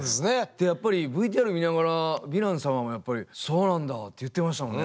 でやっぱりＶＴＲ見ながらヴィラン様もやっぱり「そうなんだ」って言ってましたもんね。